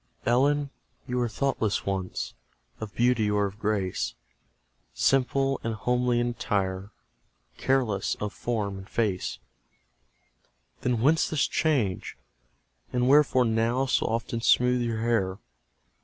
Ellen, you were thoughtless once Of beauty or of grace, Simple and homely in attire, Careless of form and face; Then whence this change? and wherefore now So often smoothe your hair?